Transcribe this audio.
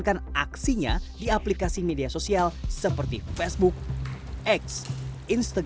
celah penipuan belanja online lainnya juga banyak